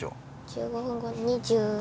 １５分後２０。